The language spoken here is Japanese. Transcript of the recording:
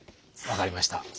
分かりました。